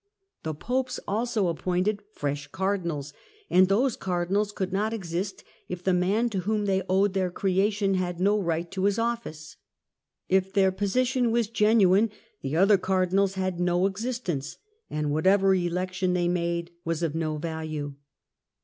The Popes also appointed fresh Cardinals, and those Cardinals could not exist if the man to whom they owed their creation had no right to his office. If their position was genuine, the other Cardinals had no existence, and whatever election they made was of no value.